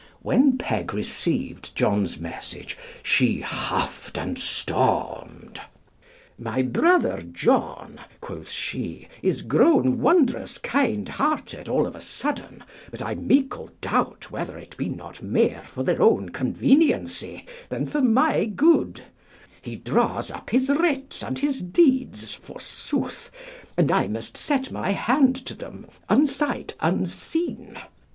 When Peg received John's message she huffed and stormed: "My brother John," quoth she, "is grown wondrous kind hearted all of a sudden, but I meikle doubt whether it be not mair for their own conveniency than for my good; he draws up his writs and his deeds, forsooth, and I must set my hand to them, unsight, unseen.